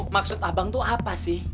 maksud abang itu apa sih